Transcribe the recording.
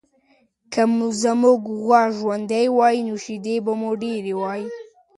که زموږ غوا ژوندۍ وای، نو شیدې به مو ډېرې وای.